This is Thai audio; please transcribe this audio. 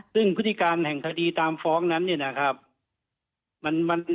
ซึ่งพฤติการแห่งคดีตามฟ้องนั้นเนี่ยนะครับ